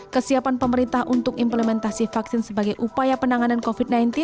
kesiapan pemerintah untuk implementasi vaksin sebagai upaya penanganan covid sembilan belas